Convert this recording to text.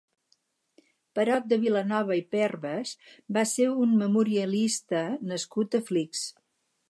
Perot de Vilanova i Perves va ser un memorialista nascut a Flix.